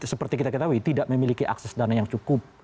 seperti kita ketahui tidak memiliki akses dana yang cukup